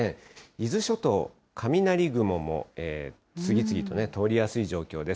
伊豆諸島、雷雲も次々と通りやすい状況です。